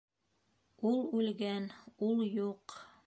Ул үлгән... ул юҡ.